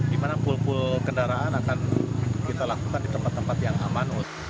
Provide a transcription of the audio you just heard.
di mana pul pul kendaraan akan kita lakukan di tempat tempat yang aman